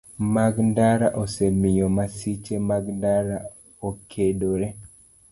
Mag ndara osemiyo masiche mag ndara okedore.